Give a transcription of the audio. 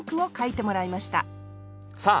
さあ